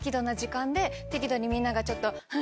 適度にみんながちょっと。